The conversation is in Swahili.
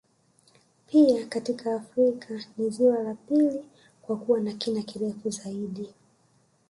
Pia katika Afrika ni ziwa la pili kwa kuwa na kina kirefu zaidi